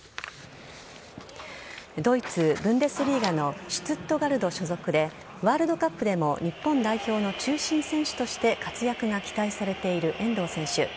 ドイツ・ブンデスリーガのシュツットガルト所属でワールドカップでも日本代表の中心選手として活躍が期待されている遠藤選手。